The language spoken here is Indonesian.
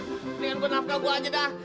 mendingan gue nafkah bu aja dah